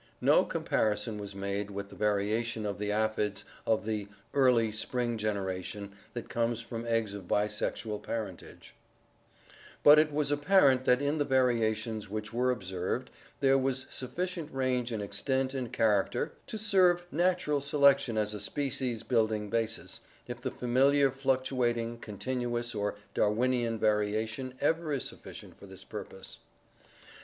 No comparison was made with the variation of the aphids of the early spring generation that comes from eggs of bisexual parentage; but it was apparent that in the variations which were observed there was sufficient range in extent and character "to serve natural selection as a species building basis, if the familiar fluctuating, continuous or Dar winian variation ever is sufficient for this purpose.